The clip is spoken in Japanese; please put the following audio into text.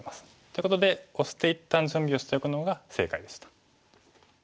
ということでオシて一旦準備をしておくのが正解でした。